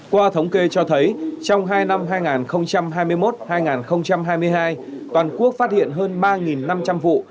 qua thống kê cho thấy trong hai năm hai nghìn hai mươi một hai nghìn hai mươi hai toàn quốc phát hiện hơn ba năm trăm linh vụ